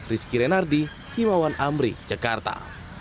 rizky renardi himawan amri jakarta